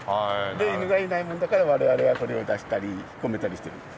で犬がいないもんだから我々がこれを出したり引っ込めたりしてるんです。